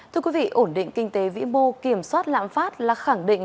thưa quý vị ổn định kinh tế vĩ mô kiểm soát lãm phát là khẳng định